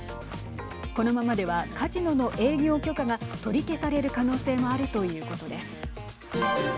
このままではカジノの営業許可が取り消される可能性もあるということです。